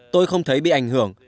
tôi không thấy bị ảnh hưởng